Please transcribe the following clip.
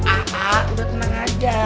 aduh udah tenang aja